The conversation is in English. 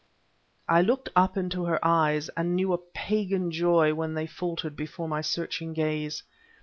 I looked up into her eyes, and knew a pagan joy when they faltered before my searching gaze.